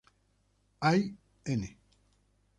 Hay "n"!